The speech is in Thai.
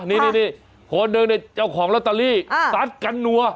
นี่คนหนึ่งในเจ้าของลอตเตอรี่ซัดกันนัว